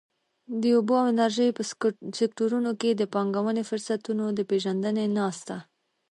د اوبو او انرژۍ په سکټورونو کې د پانګونې فرصتونو د پېژندنې ناسته.